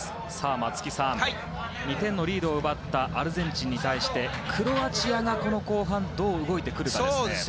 松木さん、２点のリードを奪ったアルゼンチンに対してクロアチアがこの後半どう動いてくるかですね。